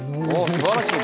すばらしい！